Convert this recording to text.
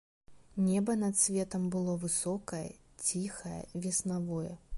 Неба над светам было высокае, ціхае, веснавое.